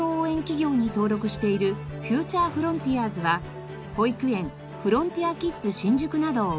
企業に登録しているフューチャーフロンティアーズは保育園「フロンティアキッズ新宿」などを運営。